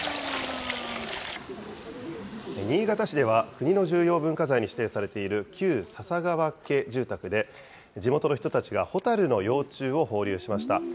新潟市では、国の重要文化財に指定されている旧笹川家住宅で、地元の人たちがホタルの幼虫を放流しました。